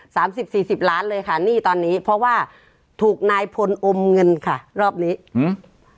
สิบสี่สิบล้านเลยค่ะหนี้ตอนนี้เพราะว่าถูกนายพลอมเงินค่ะรอบนี้อืม